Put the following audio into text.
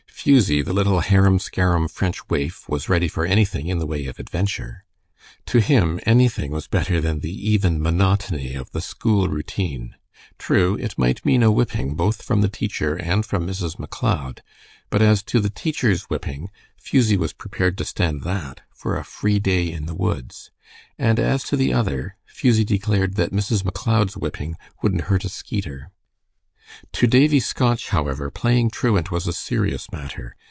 Fusie, the little, harum scarum French waif was ready for anything in the way of adventure. To him anything was better than the even monotony of the school routine. True, it might mean a whipping both from the teacher and from Mrs. McLeod; but as to the teacher's whipping, Fusie was prepared to stand that for a free day in the woods, and as to the other, Fusie declared that Mrs. McLeod's whipping "wouldn't hurt a skeeter." To Davie Scotch, however, playing truant was a serious matter.